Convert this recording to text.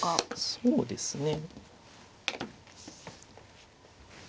そうですね。